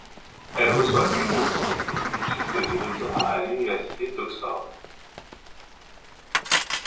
Elle reçoit une pour ses études de doctorat à l'université d'Oxford.